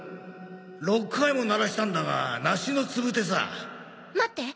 ６回も鳴らしたんだが梨のつぶて待って！